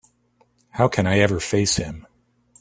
How can I ever face him?